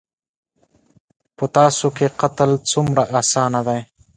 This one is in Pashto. _په تاسو کې قتل څومره اسانه دی.